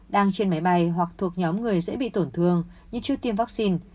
đang trên máy bay hoặc thuộc nhóm người dễ bị tổn thương như chưa tiêm vaccine